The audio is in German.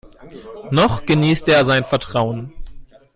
Noch genießt er sein Vertrauen.